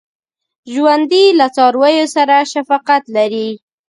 ژوندي له څارویو سره شفقت لري